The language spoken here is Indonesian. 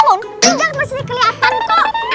juga mesti keliatan kok